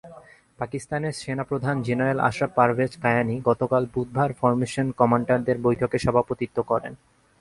পাকিস্তানের সেনাপ্রধান জেনারেল আশরাফ পারভেজ কায়ানি গতকাল বুধবার ফরমেশন কমান্ডারদের বৈঠকে সভাপতিত্ব করেন।